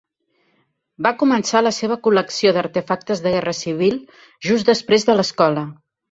Va començar la seva col·lecció d'artefactes de guerra civil just després de l'escola.